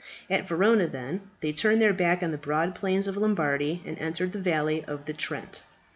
At Verona, then, they turned their back on the broad plains of Lombardy, and entered the valley of the Trent.